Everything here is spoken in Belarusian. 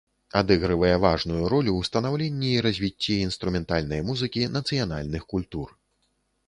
Адыгрывае важную ролю ў станаўленні і развіцці інструментальнай музыкі нацыянальных культур.